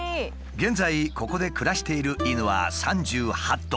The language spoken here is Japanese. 現在ここで暮らしている犬は３８頭。